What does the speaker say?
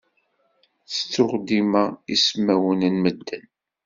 Tettuɣ dima ismawen n medden.